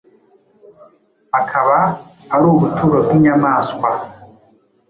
akaba ari ubuturo bw’inyamaswa